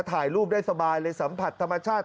ถ่ายรูปได้สบายเลยสัมผัสธรรมชาติ